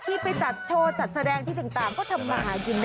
ที่ไปจัดโชว์จัดแสดงที่ต่างก็ทำมาหากินนะ